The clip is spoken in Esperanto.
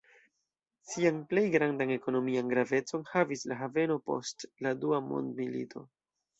Sian plej grandan ekonomian gravecon havis la haveno post la Dua Mondmilito.